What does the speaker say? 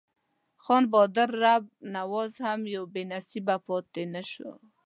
خان بهادر رب نواز هم بې نصیبه پاته نه شو.